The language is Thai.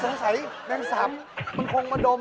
สงสัยแมงสับมันคงมาดม